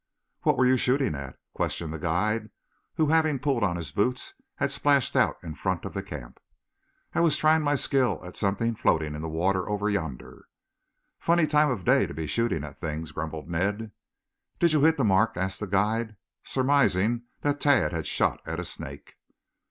"What were you shooting at?" questioned the guide, who, having pulled on his boots, had splashed out in front of the camp. "I was trying my skill on something floating in the water over yonder." "Funny time of day to be shooting at things," grumbled Ned. "Did you hit the mark?" asked the guide, surmising that Tad had shot at a snake.